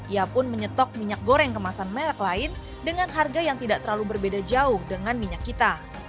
ia pun menyetok minyak goreng kemasan merek lain dengan harga yang tidak terlalu berbeda jauh dengan minyak kita